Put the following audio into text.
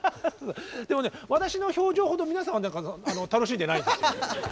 でもね私の表情ほど皆さんは楽しんでないんですよ。